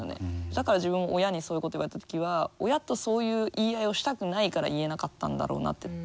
だから自分も親にそういうことを言われた時は親とそういう言い合いをしたくないから言えなかったんだろうなって